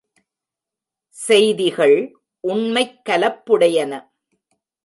செய்திகள், உண்மைக் கலப்புடையன.